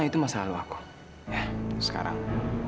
itu masalah lo aku ya sekarang